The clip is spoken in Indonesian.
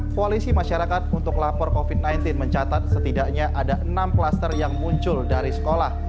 koalisi masyarakat untuk lapor covid sembilan belas mencatat setidaknya ada enam klaster yang muncul dari sekolah